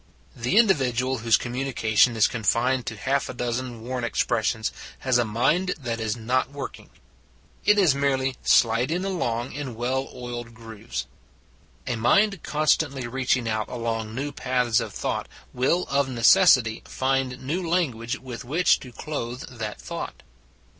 The individual whose communication is confined to half a dozen worn expressions, has a mind that is not working. It is merely sliding along in well oiled grooves. Your Conversation 213 A mind constantly reaching out along new paths of thought, will of necessity find new language with which to clothe that thought.